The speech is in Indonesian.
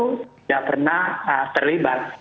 tidak pernah terlibat